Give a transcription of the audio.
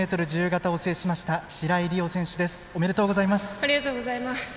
ありがとうございます。